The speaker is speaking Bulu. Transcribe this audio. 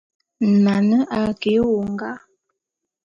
Nane a ke éwongá.